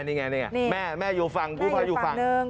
นี่ไงแม่อยู่ฝั่งกู้ไพอยู่ฝั่ง